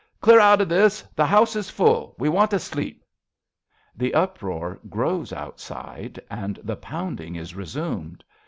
Clear out of this ! The house Is full. We want to sleep. {The uproar grows outside, and the pounding is resumed.